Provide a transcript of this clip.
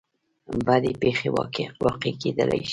بدې پېښې واقع کېدلی شي.